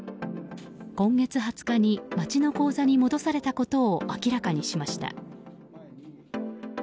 今月２０日に町の口座に戻されたことを明らかにしました。